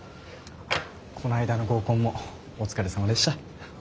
こないだの合コンもお疲れさまでした。